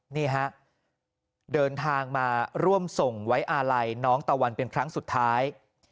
นี่ฮะเดินทางมาร่วมส่งไว้อาลัยน้องตะวันเป็นครั้งสุดท้าย